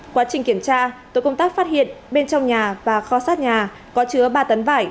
quá trình kiểm tra tổ công tác phát hiện bên trong nhà và kho sát nhà có chứa ba tấn vải